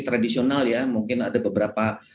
tradisional ya mungkin ada beberapa